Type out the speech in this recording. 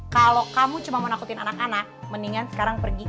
kalau kamu cuma menakutin anak anak mendingan sekarang pergi